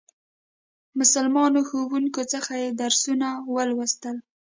مسلمانو ښوونکو څخه یې درسونه ولوستل.